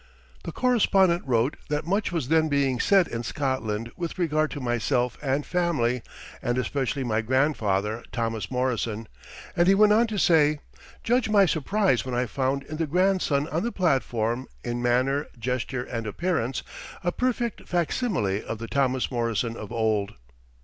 The correspondent wrote that much was then being said in Scotland with regard to myself and family and especially my grandfather Thomas Morrison, and he went on to say, "Judge my surprise when I found in the grandson on the platform, in manner, gesture and appearance, a perfect facsimile of the Thomas Morrison of old."